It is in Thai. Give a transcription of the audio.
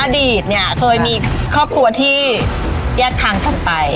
อดีตเนี่ยเคยมีครอบครัวที่แยกทางกันไป